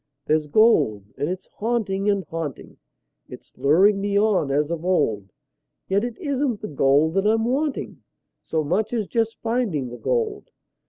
There's gold, and it's haunting and haunting; It's luring me on as of old; Yet it isn't the gold that I'm wanting So much as just finding the gold.